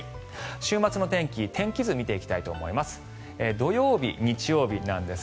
週末の天気、天気図を見ていきたいと思います。